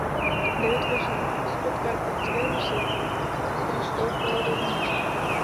Devět vozů z Podkarpatské Rusi ustoupilo do Rumunska.